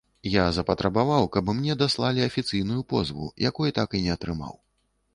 Я запатрабаваў, каб мне даслалі афіцыйную позву, якой так і не атрымаў.